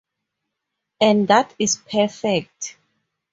And that is perfect.